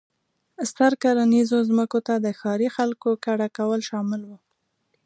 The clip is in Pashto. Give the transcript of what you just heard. ستر کرنیزو ځمکو ته د ښاري خلکو کډه کول شامل و.